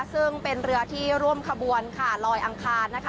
ซึ่งเป็นเรือที่ร่วมขบวนค่ะลอยอังคารนะคะ